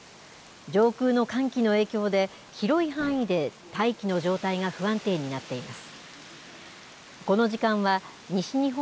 上空の寒気の影響で広い範囲で大気の状態が不安定になっています。